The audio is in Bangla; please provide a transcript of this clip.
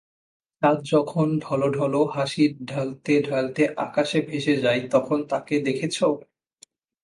চাঁদ যখন ঢলঢল হাসি ঢালতে ঢালতে আকাশে ভেসে যায় তখন তাকে দেখেছ?